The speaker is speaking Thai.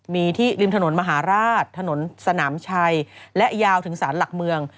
มีที่ริมถนนมหาราชถนนสนามชัยและยาวถึงสารหลักเมือง